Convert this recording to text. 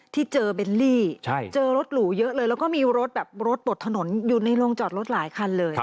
ที่เจอเบลลี่เจอรถหรูเยอะเลยแล้วก็มีรถแบบรถบดถนนอยู่ในโรงจอดรถหลายคันเลย